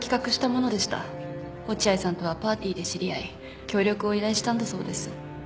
落合さんとはパーティーで知り合い協力を依頼したんだそうです。